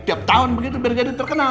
tiap tahun begitu biar jadi terkenal